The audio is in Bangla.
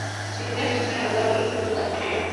সেক্ষেত্রে, কিংসম্যানে আগামীকাল অই দর্জিশালায়?